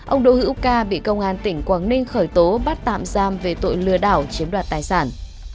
ông đỗ hữu ca bị công an tỉnh quảng ninh khởi tố bắt tạm giam về tội lừa đảo chiếm đoạt tài sản